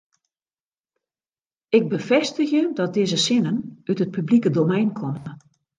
Ik befêstigje dat dizze sinnen út it publike domein komme.